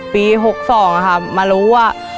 ปี๖๒อะค่ะมารู้ว่า